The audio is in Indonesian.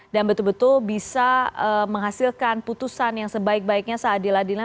dan betul betul bisa menghasilkan putusan yang sebaik baiknya seadil adilnya